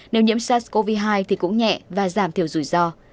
nếu nhiễm sars cov hai thì cũng nhẹ và giảm thiểu rủi ro